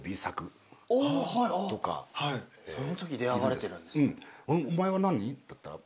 そのとき出会われてるんですね。